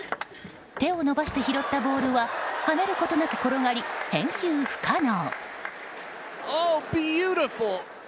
手を伸ばして拾ったボールは跳ねることなく転がり返球不可能。